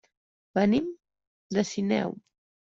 Venim de Sineu.